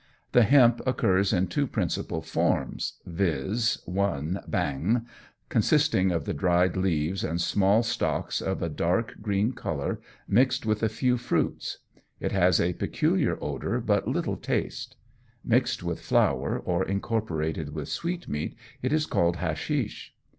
The hemp occurs in two principal forms, viz.: 1. bhang, consisting of the dried leaves and small stalks of a dark green colour, mixed with a few fruits. It has a peculiar odour but little taste. Mixed with flour or incorporated with sweetmeat it is called hashish.